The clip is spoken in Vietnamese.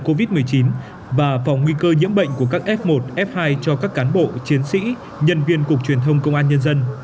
covid một mươi chín và phòng nguy cơ nhiễm bệnh của các f một f hai cho các cán bộ chiến sĩ nhân viên cục truyền thông công an nhân dân